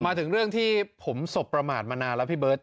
มาถึงเรื่องที่ผมสบประมาทมานานแล้วพี่เบิร์ต